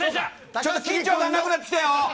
ちょっと緊張感なくなってきたよ。